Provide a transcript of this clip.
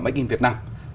make in việt nam